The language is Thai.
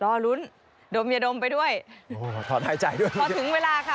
รอลุ้นดมยาดมไปด้วยโอ้โหถอนหายใจด้วยพอถึงเวลาค่ะ